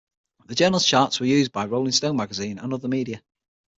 The journal's charts were used by "Rolling Stone" magazine and other media.